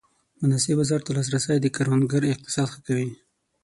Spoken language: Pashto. مناسب بازار ته لاسرسی د کروندګر اقتصاد ښه کوي.